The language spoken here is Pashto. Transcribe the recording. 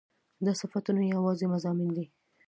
دا صفتونه يواځې مضامين دي